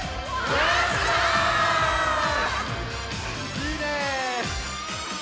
いいね！